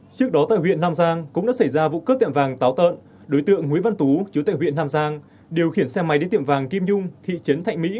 trước đó tại huyện nam giang cũng đã xảy ra vụ cướp tiệm vàng táo tợn đối tượng nguyễn văn tú chú tệ huyện nam giang điều khiển xe máy đến tiệm vàng kim nhung thị trấn thạnh mỹ